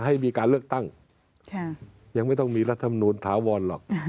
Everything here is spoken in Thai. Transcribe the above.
ให้มีการเลือกตั้งยังไม่ต้องมีรัฐมนูลถาวรหรอก